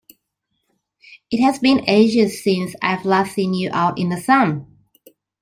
It has been ages since I've last seen you out in the sun!